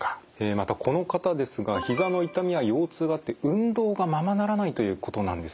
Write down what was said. またこの方ですがひざの痛みや腰痛があって運動がままならないということなんですよね。